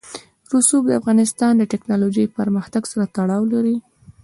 رسوب د افغانستان د تکنالوژۍ پرمختګ سره تړاو لري.